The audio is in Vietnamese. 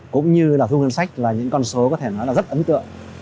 cũng như là thu ngân sách là những con số có thể nói là rất ấn tượng